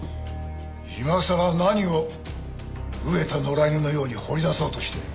今さら何を飢えた野良犬のように掘り出そうとして。